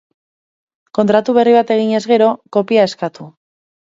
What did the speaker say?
Kontratu berri bat eginez gero, kopia eskatu.